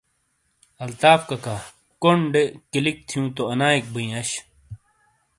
الطاف ککا "کونڈ دے" کلِک تھیوں تو انائیک بیں آش